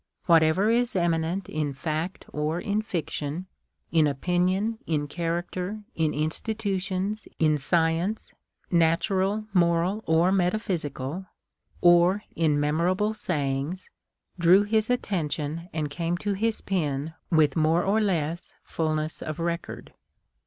Whatever is eminent in fact or in fiction, in opinion, in character, in institutions, in science — natural, moral, or metaphysical, or in memorable say ings, drew his attention and came to his pen with more or less fulness of record.